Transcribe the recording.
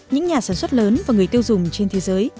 những nhà sản xuất lớn và người tiêu dùng trên thế giới